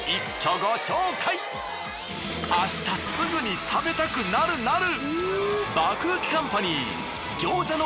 明日すぐに食べたくなるなる！